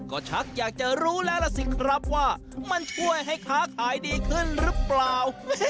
ก็ชักอยากจะรู้แล้วล่ะสิครับว่ามันช่วยให้ค้าขายดีขึ้นหรือเปล่า